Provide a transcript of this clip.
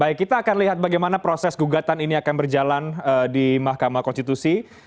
baik kita akan lihat bagaimana proses gugatan ini akan berjalan di mahkamah konstitusi